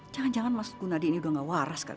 jangan jangan mas gunadi ini juga tidak waras kan